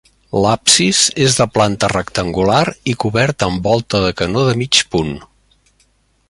L'absis és de planta rectangular i cobert amb volta de canó de mig punt.